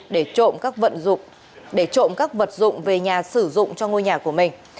để trộm các vật dụng về nhà sử dụng cho ngôi nhà của mình